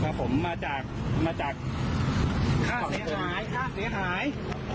ครับผมมาจากมาจากค่าเสียหายค่าเสียหาย